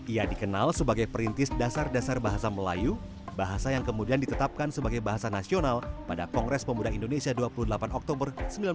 ia dikenal sebagai perintis dasar dasar bahasa melayu bahasa yang kemudian ditetapkan sebagai bahasa nasional pada kongres pemuda indonesia dua puluh delapan oktober seribu sembilan ratus empat puluh